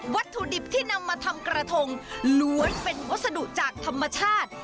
วัตถุดิบที่นำมาทำกระทงล้วนเป็นวัสดุจากธรรมชาติ